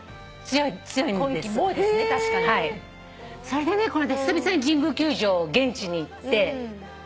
それでねこの間久々に神宮球場現地に行って。